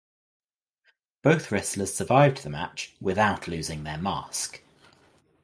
Both wrestlers survived the match without losing their mask.